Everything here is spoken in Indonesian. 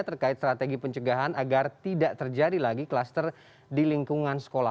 terkait strategi pencegahan agar tidak terjadi lagi kluster di lingkungan sekolah